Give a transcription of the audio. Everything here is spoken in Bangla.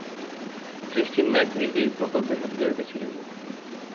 ক্রিস্টিন ম্যাকভি এই প্রকল্পের সাথে জড়িত ছিলেন না।